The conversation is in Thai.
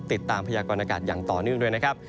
พยากรณากาศอย่างต่อเนื่องด้วยนะครับ